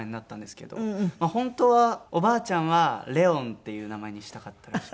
本当はおばあちゃんは「玲音」っていう名前にしたかったらしくて。